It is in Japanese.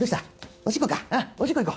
おしっこ行こう。